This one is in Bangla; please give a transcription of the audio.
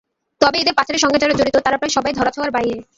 তবে এঁদের পাচারের সঙ্গে যারা জড়িত, তারা প্রায় সবাই ধরাছোঁয়ার বাইরে।